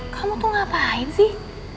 kamu tuh ngapain sih